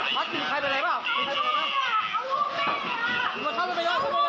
มีใครเป็นไรเปล่ามีใครเป็นไรเปล่า